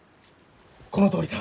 このとおりだ。